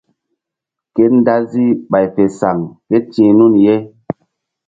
Ke dazi bay fe saŋ kéti̧h nun ye.